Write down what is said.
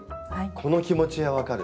この気持ちは分かる。